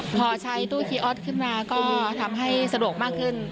พอใช้ตู้คีย์ออสขึ้นมาก็ทำให้สะดวกมากขึ้น